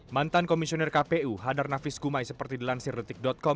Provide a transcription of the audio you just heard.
mantan komisioner kpu hadar nafis gumai seperti dilansir detik com